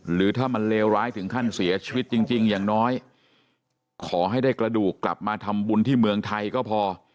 หรือถ้ามันเลวร้ายถึงขั้นเสียชีวิตจริงอย่างน้อยขอให้ได้กระดูกกลับมาทำบุญที่เมืองไทยก็พอ